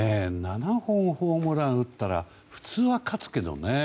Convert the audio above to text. ７本、ホームランを打ったら普通は勝つけどね。